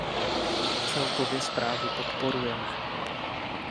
Celkově zprávu podporujeme.